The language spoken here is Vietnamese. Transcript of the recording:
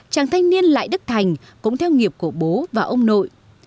chàng thanh niên lại đức thành cũng theo nghiệp của bố và ông nội